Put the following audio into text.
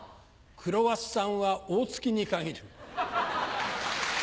クロワッサンは大月に限る。